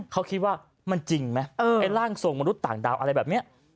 เขาคิดว่ามันจริงไหมไอ้ร่างทรงมนุษย์ต่างดาวอะไรแบบนี้